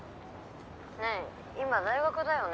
☎ねえ今大学だよね？